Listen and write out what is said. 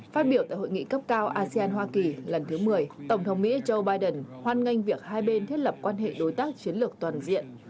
phát biểu tại hội nghị cấp cao asean hoa kỳ lần thứ một mươi tổng thống mỹ joe biden hoan nghênh việc hai bên thiết lập quan hệ đối tác chiến lược toàn diện